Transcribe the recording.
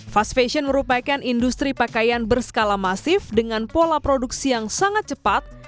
fast fashion merupakan industri pakaian berskala masif dengan pola produksi yang sangat cepat